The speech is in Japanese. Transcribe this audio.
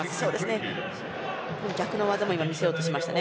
逆の技も見せようとしました。